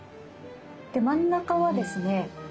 で真ん中はですね